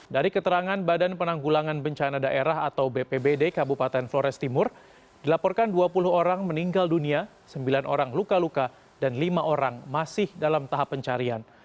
dari keterangan badan penanggulangan bencana daerah atau bpbd kabupaten flores timur dilaporkan dua puluh orang meninggal dunia sembilan orang luka luka dan lima orang masih dalam tahap pencarian